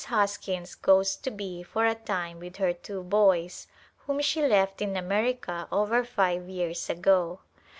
Hoskins goes to be for a time with her two boys whom she left in America over five years ago.